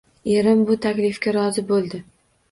Erim bu taklifga rozi boʻldi